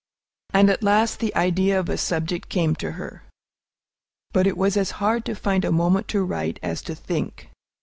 And at last the idea of a subject came to her! But it was as hard to find a moment to write as to think.